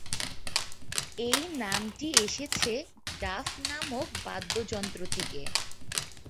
এই নামটি এসেছে ডাফ নামক বাদ্যযন্ত্র থেকে।